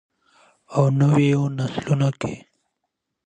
او نویو نسلونو کې.